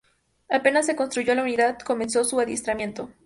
Apenas se constituyó la unidad, comenzó su adiestramiento.